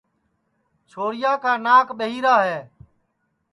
چھورِیا کا ناک ٻہیرا ہے